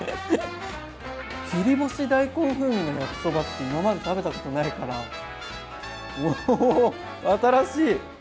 切り干し大根風味の焼きそばって今まで食べたことないからうお新しい！